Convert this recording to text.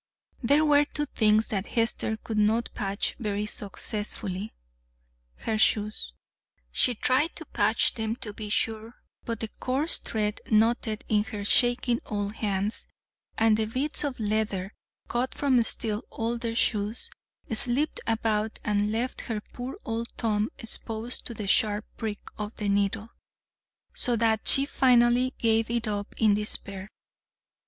There were two things that Hester could not patch very successfully her shoes. She fried to patch them to be sure, but the coarse thread knotted in her shaking old hands, and the bits of leather cut from still older shoes slipped about and left her poor old thumb exposed to the sharp prick of the needle, so that she finally gave it up in despair.